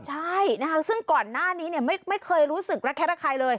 จากเพื่อนบ้านใช่นะฮะซึ่งก่อนหน้านี้เนี่ยไม่ไม่เคยรู้สึกรักแค่ใครเลย